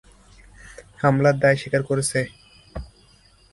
হামলার দায়িত্ব অস্বীকার করেছে।